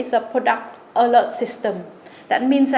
điều quan trọng nhất là hệ thống phát triển sản phẩm